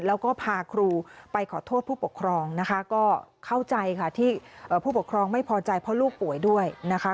แล้วก็พาครูไปขอโทษผู้ปกครองนะคะก็เข้าใจค่ะที่ผู้ปกครองไม่พอใจเพราะลูกป่วยด้วยนะคะ